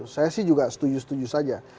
saya sih juga setuju setuju saja